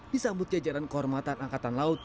disambut jajaran kehormatan angkatan laut